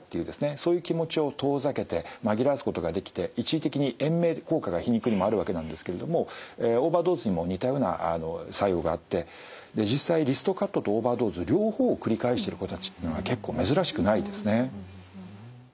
そういう気持ちを遠ざけて紛らわすことができて一時的に延命効果が皮肉にもあるわけなんですけれどもオーバードーズにも似たような作用があって実際リストカットとオーバードーズ両方を繰り返してる子たちってのは結構珍しくないですね。